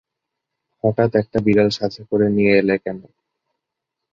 হঠাৎ একটা বিড়াল সাথে করে নিয়ে এলে কেন?